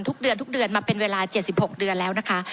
ทุกเดือนทุกเดือนมาเป็นเวลา๗๖เดือนแล้วนะคะ